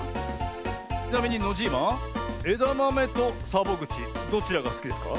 ちなみにノジーマえだまめとサボぐちどちらがすきですか？